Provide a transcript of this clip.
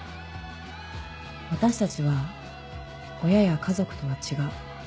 私たちは親や家族とは違う。